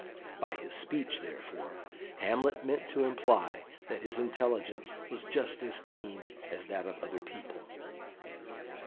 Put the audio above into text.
By his speech, therefore, Hamlet meant to imply that his intelligence was just as keen as that of other people.